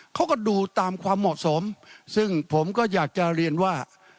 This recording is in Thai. เขาก็ดูตามความเหมาะสมซึ่งผมก็อยากจะเรียนว่า